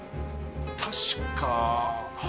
確か。